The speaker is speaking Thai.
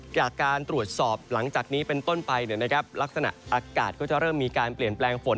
จากการตรวจสอบหลังจากนี้เป็นต้นไปลักษณะอากาศก็จะเริ่มมีการเปลี่ยนแปลงฝน